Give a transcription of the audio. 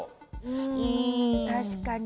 うん確かに。